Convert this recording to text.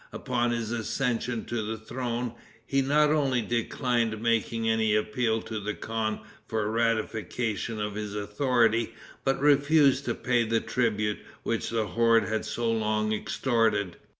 Upon his accession to the throne, he not only declined making any appeal to the khan for the ratification of his authority, but refused to pay the tribute which the horde had so long extorted.